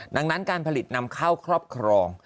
ดังนั้นการผลิตนำเข้าครอบครอง